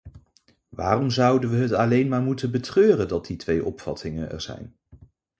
Waarom zouden we het alleen maar moeten betreuren dat die twee opvattingen er zijn?